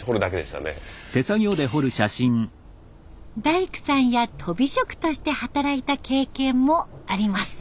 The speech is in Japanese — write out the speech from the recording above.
大工さんやとび職として働いた経験もあります。